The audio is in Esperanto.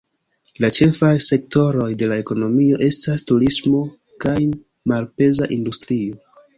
La ĉefaj sektoroj de la ekonomio estas turismo kaj malpeza industrio.